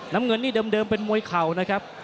น้ำเงินนี่เดิมเป็นมวยเข่านะครับ